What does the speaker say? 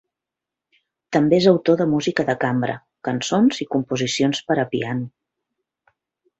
També és autor de música de cambra, cançons i composicions per a piano.